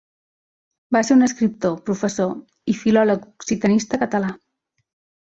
Va ser un escriptor, professor i filòleg occitanista català.